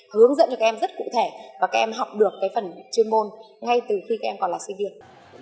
hướng dẫn cho các em rất cụ thể và các em học được phần chuyên môn ngay từ khi các em còn là sinh viên